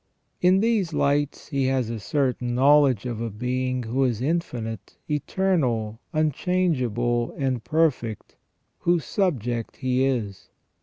In these lights he has a certain knowledge of a Being who is infinite, eternal, unchangeable, and perfect, whose subject he is.